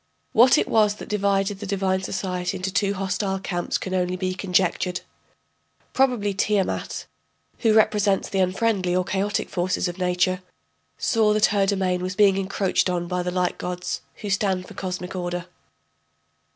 What it was that divided the divine society into two hostile camps can only be conjectured; probably Tiamat, who represents the unfriendly or chaotic forces of nature, saw that her domain was being encroached on by the light gods, who stand for cosmic order.